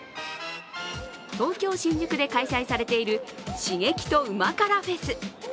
東京・新宿で開催されている刺激と旨辛ＦＥＳ